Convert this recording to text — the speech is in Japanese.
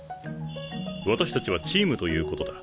私たちはチームということだ。